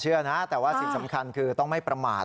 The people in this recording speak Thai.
เชื่อนะแต่ว่าสิ่งสำคัญคือต้องไม่ประมาท